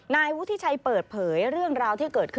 นายวุฒิชัยเปิดเผยเรื่องราวที่เกิดขึ้น